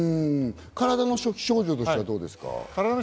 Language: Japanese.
体の初期症状としてはどうですか？